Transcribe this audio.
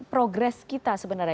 progres kita sebenarnya